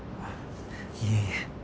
いえいえ。